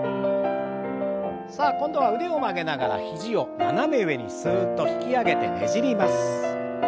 さあ今度は腕を曲げながら肘を斜め上にすっと引き上げてねじります。